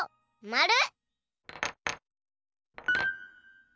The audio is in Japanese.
まる。